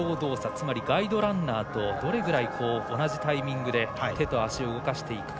つまりガイドランナーとどれぐらい同じタイミングで手と足を動かしていくか。